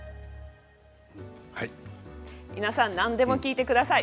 皆さん何でも聞いてください。